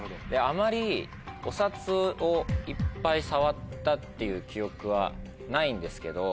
あまりお札をいっぱい触ったっていう記憶はないんですけど。